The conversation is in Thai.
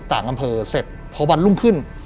ต่างอำเภอเสร็จพอวันรุ่งขึ้น